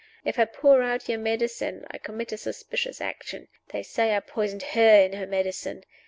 If I pour out your medicine, I commit a suspicious action they say I poisoned her in her medicine.